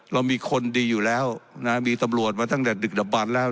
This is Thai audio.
เรามีคนดีอยู่แล้วนะมีตำรวจมาตั้งแต่ดึกดับบันแล้ว